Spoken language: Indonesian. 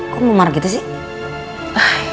kok memar gitu sih